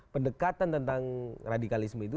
pendekatan tentang radikalisme itu